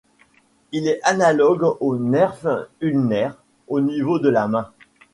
Il est analogue au nerf ulnaire au niveau de la main.